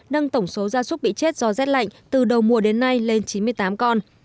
nâng tổng số gia súc bị chết do rét lạnh từ đầu mùa đến nay lên chín mươi tám con